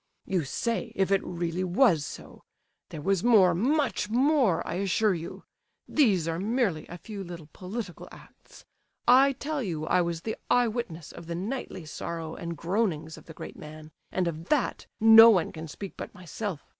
"You say, 'if it really was so!' There was more—much more, I assure you! These are merely a few little political acts. I tell you I was the eye witness of the nightly sorrow and groanings of the great man, and of that no one can speak but myself.